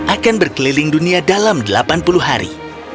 akan berkeliling dunia dalam delapan puluh hari